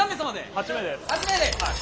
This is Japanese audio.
８名です。